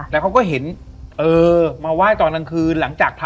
แล้วเค้าก็เห็นมาว่ายตอนกลางคืน